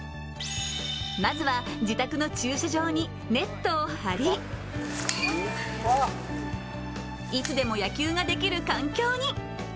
まずは、自宅の駐車場にネットを張り、いつでも野球ができる環境に。